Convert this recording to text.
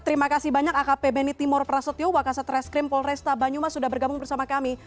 terima kasih banyak akp beni timur prasetyo wakasat reskrim polresta banyumas sudah bergabung bersama kami